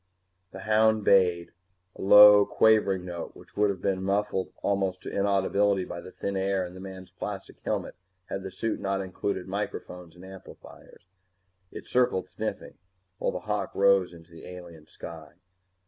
The hound bayed, a low quavering note which would have been muffled almost to inaudibility by the thin air and the man's plastic helmet had the suit not included microphones and amplifiers. It circled, sniffing, while the hawk rose into the alien sky.